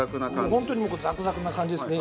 もう本当にザクザクな感じですね。